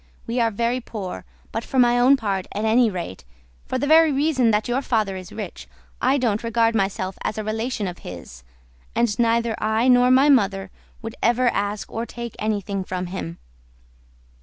We are very poor, but for my own part at any rate, for the very reason that your father is rich, I don't regard myself as a relation of his, and neither I nor my mother would ever ask or take anything from him."